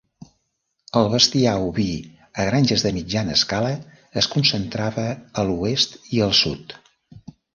El bestiar oví a granges de mitjana escala es concentrava a l'oest i al sud.